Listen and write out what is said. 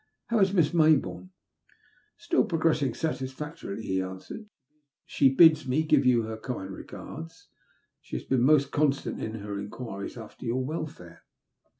How is Hiss llaj bourne ?Still progressing satisfactorily/' he answered* She bids me give you her kind regards. She has been most constant in her enquiries after your wel fare."